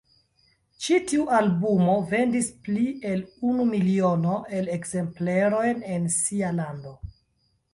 Ĉi tiu albumo vendis pli el unu miliono el ekzemplerojn en sia lando.